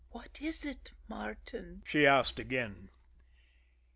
"What is it, Martin?" she asked again.